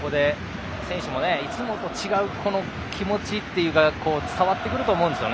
そこで選手もいつもと違う気持ちというのが伝わってくると思うんです。